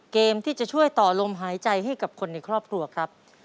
เกมที่จะช่วยต่อลมหายใจให้กับคนในครอบครัวครับ